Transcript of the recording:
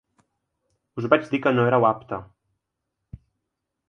Us vaig dir que no éreu apte.